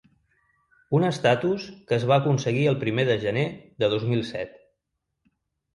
Un estatus que es va aconseguir el primer de gener de dos mil set.